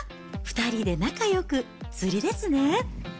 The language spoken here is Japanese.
２人で仲よく釣りですね。